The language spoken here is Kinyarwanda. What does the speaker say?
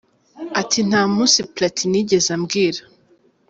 Ati: “Nta munsi Platini yigeze ambwira.